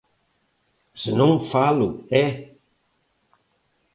Se non, falo, ¡eh!